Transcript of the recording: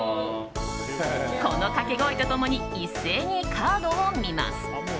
この掛け声と共に一斉にカードを見ます。